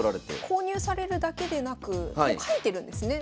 購入されるだけでなく描いてるんですね。